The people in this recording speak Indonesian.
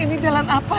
ini jalan apa